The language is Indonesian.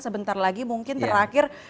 sebentar lagi mungkin terakhir